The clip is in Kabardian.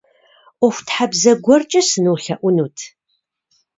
Ӏуэхутхьэбзэ гуэркӏэ сынолъэӏунут.